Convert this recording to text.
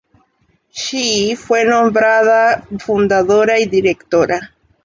Shih fue nombrada fundadora y directora.